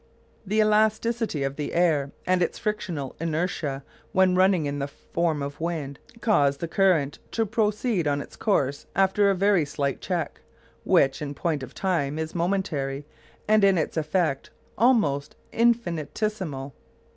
The elasticity of the air and its frictional inertia when running in the form of wind cause the current to proceed on its course after a very slight check, which in point of time is momentary and in its effects almost infinitesimal.